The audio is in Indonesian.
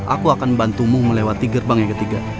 aku akan bantumu melewati gerbang yang ketiga